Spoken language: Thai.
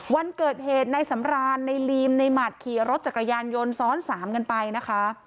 วันเกิดเหตุในสำรานในลีมในหมัดขี่รถจักรยานยนต์ซ้อนสามกันไปนะคะ